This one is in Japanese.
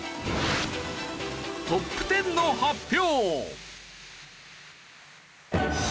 トップ１０の発表！